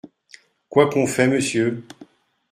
Quoi qu’on fait, monsieur ?